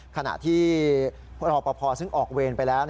ขณะที่รอปภซึ่งออกเวรไปแล้ว